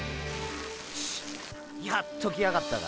チッやっと来やがったか。